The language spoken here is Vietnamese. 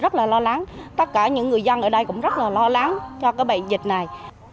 tất cả những người dân ở đây cũng rất là lo lắng cho cái bệnh dịch này